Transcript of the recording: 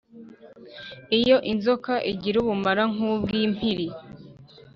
Iyo inzoka igira ubumara nk’ubw’impiri